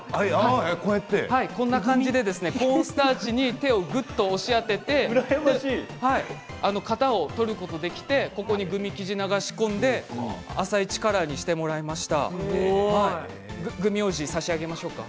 コーンスターチに手をぐっと押し当てて型を取ることができて、そこにグミ生地を流し込んで浅井「あさイチ」カラーににしてもらいました。